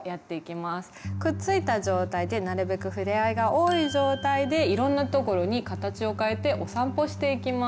くっついた状態でなるべくふれあいが多い状態でいろんなところに形を変えておさんぽしていきます。